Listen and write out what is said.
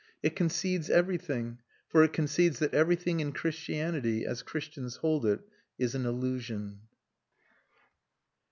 It concedes everything; for it concedes that everything in Christianity, as Christians hold it, is an illusion.